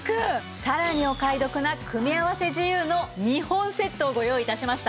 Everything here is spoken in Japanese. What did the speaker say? さらにお買い得な組み合わせ自由の２本セットをご用意致しました。